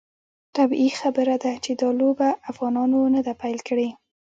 طبیعي خبره ده چې دا لوبه افغانانو نه ده پیل کړې.